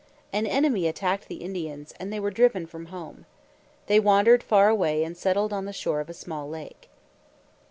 An enemy attacked the Indians, and they were driven from home. They wandered far away and settled on the shore of a small lake.